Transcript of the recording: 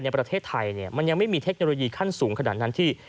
ในประเทศไทยมันยังไม่มีเทคโนโลยีขั้นสูงขนาดนั้นที่